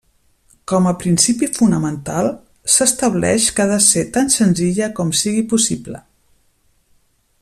Com a principi fonamental, s'estableix que ha de ser tan senzilla com sigui possible.